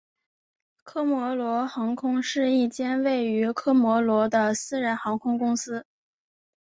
科摩罗航空是一间位于科摩罗的私人航空公司。